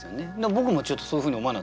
僕もそういうふうに思わなかった。